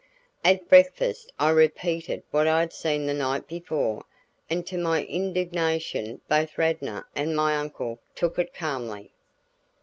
At breakfast I repeated what I had seen the night before, and to my indignation both Radnor and my uncle took it calmly.